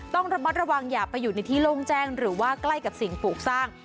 ต้องระมัดระวังอย่าไปอยู่ในที่โล่งแจ้งหรือว่าใกล้กับสิ่งปลูกสร้าง